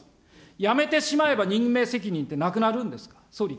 辞めてしまえば任命責任ってなくなるんですか。